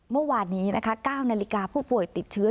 เมื่อวานนี้นะคะ๙นาฬิกาผู้ป่วยติดเชื้อ